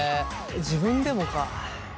自分でもか。